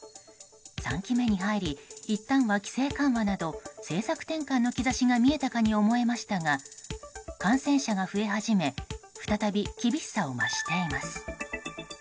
３期目に入りいったんは、規制緩和など政策転換の兆しが見えたかに思えましたが感染者が増え始め再び厳しさを増しています。